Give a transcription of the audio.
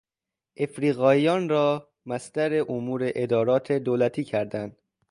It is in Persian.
افریقاییان را مصدر امور ادارات دولتی کردن